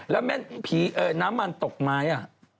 แล้วแม่นน้ำมันตกไม้อ่ะ